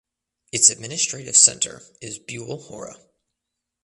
Its administrative center is Bule Hora.